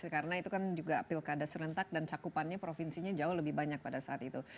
karena itu kan juga pilkada serentak dan cakupannya provinsinya jauh lebih banyak pada saat itu